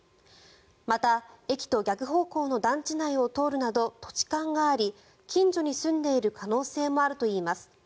また駅と逆方向の団地内を通るなど、土地勘があり近所に住んでいる可能性もあるといいます。